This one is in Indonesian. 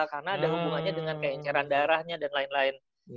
karena ada hubungannya dengan kayak inceran darahnya dan lain lain